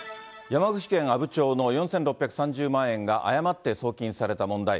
山口県阿武町の４６３０万円が誤って送金された問題。